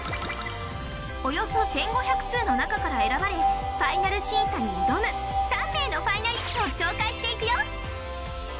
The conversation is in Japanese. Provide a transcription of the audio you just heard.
およそ１，５００通の中から選ばれファイナル審査に挑む３名のファイナリストを紹介していくよ。